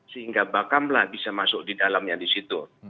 sehingga bakamla bisa masuk di dalamnya di situ